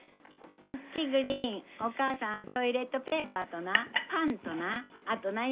キクリンお母さんトイレットペーパーとなパンとなあと何やかんや買うてくるわ。